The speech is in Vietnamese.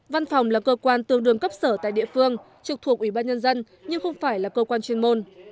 văn phòng là cơ quan tương đương cấp sở tại địa phương trực thuộc ủy ban nhân dân nhưng không phải là cơ quan chuyên môn